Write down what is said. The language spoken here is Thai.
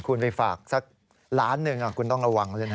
คุณไปฝากสักล้านหนึ่งคุณต้องระวังเลยนะ